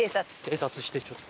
偵察してちょっと。